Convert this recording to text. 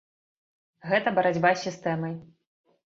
Гэта барацьба з сістэмай.